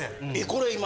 これ今。